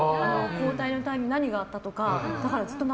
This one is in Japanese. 交代のタイミングに何があったのかとか。